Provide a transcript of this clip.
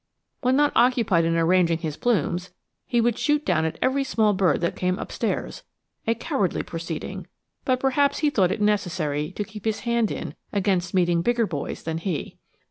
When not occupied in arranging his plumes, he would shoot down at every small bird that came upstairs; a cowardly proceeding, but perhaps he thought it necessary to keep his hand in against meeting bigger boys than he!